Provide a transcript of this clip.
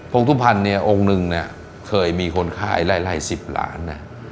ภงสุพรรณเนี่ยองค์นึงนะเคยมีคนขายไหล๑๐ล้านนะ